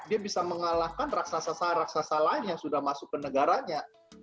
dia bisa mengalahkan raksasa raksasa lain yang sudah masuk ke negaranya